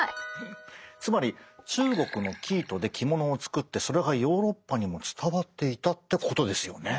つまり中国の生糸で着物を作ってそれがヨーロッパにも伝わっていたってことですよね。